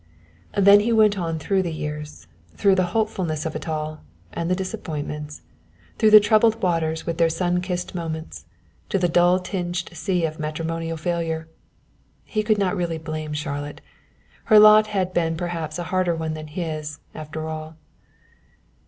Then he went on through the years, through the hopefulness of it all, and the disappointments, through the troubled waters with their sun kissed moments, to the dull tinged sea of matrimonial failure. He could not really blame Charlotte; her lot had been perhaps a harder one than his, after all.